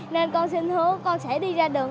nên con xin hứa con sẽ đi ra đường